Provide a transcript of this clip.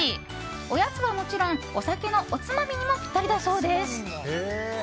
おやつはもちろんお酒のおつまみにもぴったりだそうです。